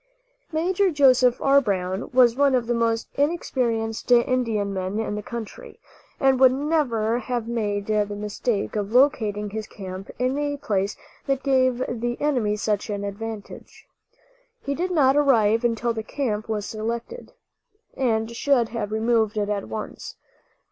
Major Joseph R. Brown was one of the most experienced Indian men in the country, and would never have made the mistake of locating his camp in a place that gave the enemy such an advantage. He did not arrive until the camp was selected, and should have removed it at once.